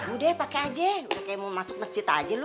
udah deh pakai aja udah kayak mau masuk masjid aja lu